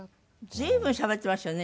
随分しゃべってましたよね